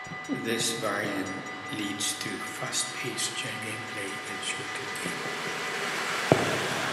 This variant leads to fast-paced gameplay and a shorter game.